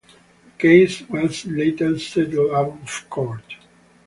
The case was later settled out of court.